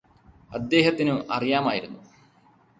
അതദ്ദേഹത്തിനും അറിയാമായിരുന്നു